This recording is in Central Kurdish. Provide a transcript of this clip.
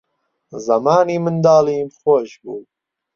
زەمانی منداڵیم خۆش بوو